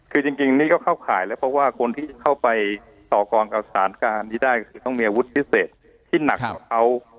คือจริงนี่ก็เข้าข่ายแล้วเพราะว่าคนที่เข้าไปต่อกองกับสารการที่ได้ก็คือต้องมีอาวุธพิเศษที่หนักกว่าเขา